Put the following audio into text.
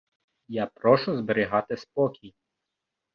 Я прошу зберігати спокій!